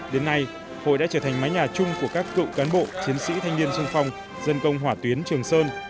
đến nay hội đã trở thành mái nhà chung của các cựu cán bộ chiến sĩ thanh niên sung phong dân công hỏa tuyến trường sơn